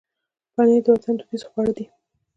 پنېر د وطن دودیز خواړه دي.